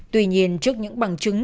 tuy nhiên trước những bằng chứng